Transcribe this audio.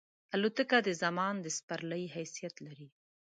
الوتکه د زمان د سپرلۍ حیثیت لري.